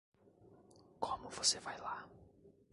Como você vai lá?